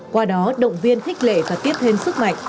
qua đó động viên khích lệ và tiếp thêm sức mạnh